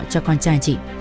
cho con trai chị